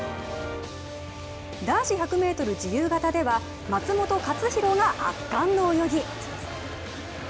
男子１００ｍ自由形では松元克央が圧巻の泳ぎ。